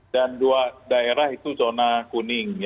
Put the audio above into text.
dan dua daerah itu zona kuning